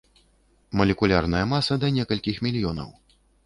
Малекулярная маса да некалькіх мільёнаў.